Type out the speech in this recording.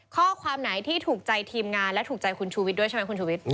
ข้อความไหนที่ถูกใจทีมงานและถูกใจคุณชูวิทย์ด้วยใช่ไหมคุณชุวิต